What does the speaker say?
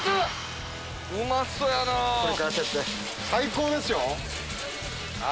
最高ですよ。